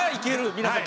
皆さん。